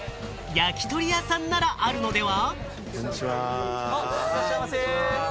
焼き鳥屋さんならあるのでは？